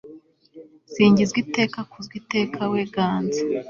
singizwa iteka kuzwa iteka we, ganza